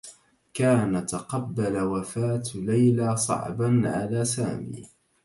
كان تقبّل وفاة ليلى صعبا على سامي